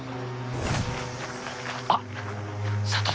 あっ！